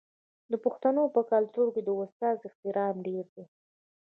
د پښتنو په کلتور کې د استاد احترام ډیر دی.